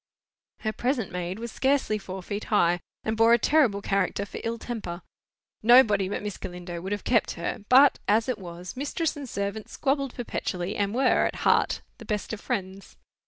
Her present maid was scarcely four feet high, and bore a terrible character for ill temper. Nobody but Miss Galindo would have kept her; but, as it was, mistress and servant squabbled perpetually, and were, at heart, the best of friends.